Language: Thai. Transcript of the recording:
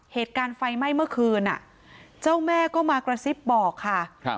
เหตุการณ์ไฟไหม้เมื่อคืนเจ้าแม่ก็มากระซิบบอกค่ะ